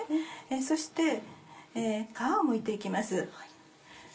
そして皮をむいて行きます。